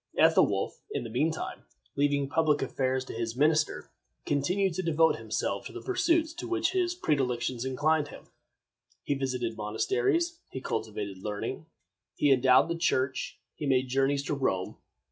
Ethelwolf, in the mean time, leaving public affairs to his minister, continued to devote himself to the pursuits to which his predilections inclined him. He visited monasteries; he cultivated learning; he endowed the Church; he made journeys to Rome.